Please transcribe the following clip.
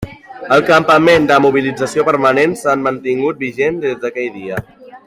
El campament de mobilització permanent s'han mantingut vigent des d'aquell dia.